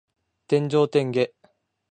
天上天下